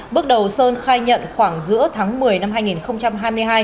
bước đầu sơn khai nhận khoảng giữa tháng một mươi năm hai nghìn hai mươi hai